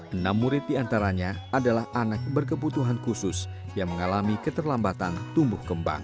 enam murid diantaranya adalah anak berkebutuhan khusus yang mengalami keterlambatan tumbuh kembang